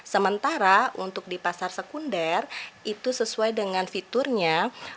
sementara untuk di pasar sekunder itu sesuai dengan fiturnya